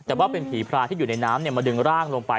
แต่ว่าเป็นผีพราที่อยู่ในน้ำมาดึงร่างลงไป